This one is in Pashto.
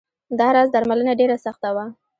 دا راز درملنه ډېره سخته وه.